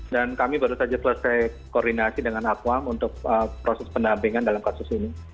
dan kami baru saja selesai koordinasi dengan akuam untuk proses pendampingan dalam kasus ini